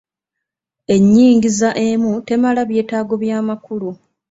Enyingiza emu temala byeetago by'amakulu.